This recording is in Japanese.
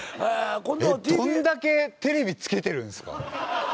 どんだけテレビつけてるんすか？